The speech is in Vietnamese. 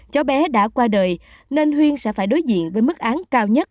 cháu bé đã qua đời nên huyên sẽ phải đối diện với mức án cao nhất